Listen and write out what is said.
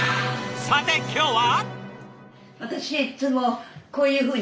さて今日は？